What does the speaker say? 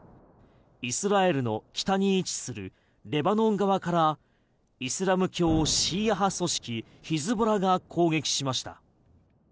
イスラエルの北に位置するレバノン側からイスラム教シーア派組織ヒズボラが攻撃しました。